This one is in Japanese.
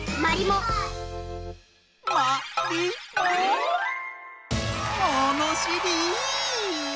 ものしり！